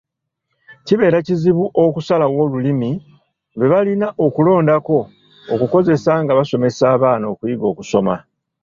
Kibeera kizibu okusalawo lulimi lwe balina okulondako okukozesa nga basomesa abaana okuyiga okusoma.